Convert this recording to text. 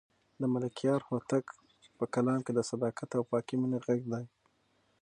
د ملکیار هوتک په کلام کې د صداقت او پاکې مینې غږ دی.